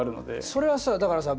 それはさだからさ